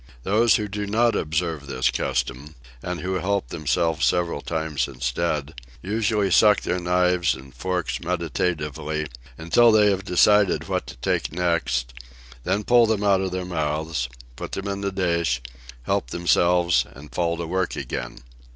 Those who do not observe this custom, and who help themselves several times instead, usually suck their knives and forks meditatively, until they have decided what to take next: then pull them out of their mouths: put them in the dish; help themselves; and fall to work again.